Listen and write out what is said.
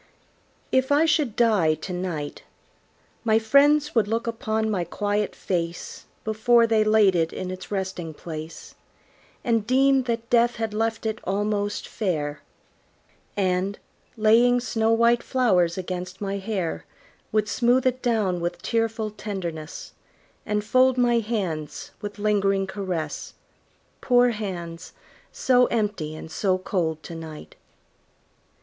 If I should die to night, My friends would look upon my quiet face Before they laid it in its resting place, And deem that death had left it almost fair; And, laying snow white flowers against my hair. Would smooth it down with tearful tenderness, And fold my hands with lingering caress Poor hands, so empty and so cold to night!